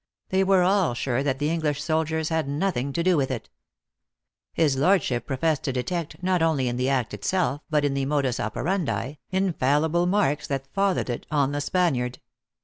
They were all sure that the English soldiers had nothing to do with it. His lordship professed to detect, not only in the act itself, but in the modus operandi, infallible marks that fath ered it on the Spaniard.